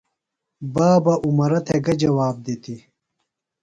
بابہ عمرہ تھےۡ گہ جواب دِتیۡ؟